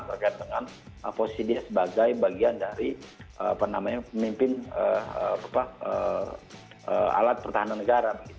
terkait dengan posisi dia sebagai bagian dari pemimpin alat pertahanan negara